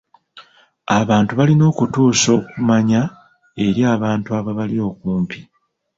Abantu balina okutuusa okumanya eri abantu ababali okumpi.